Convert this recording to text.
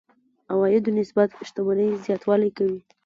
عوایدو نسبت شتمنۍ زياتوالی کوي.